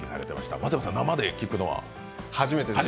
松山さん、生で聴くのは初めてですか？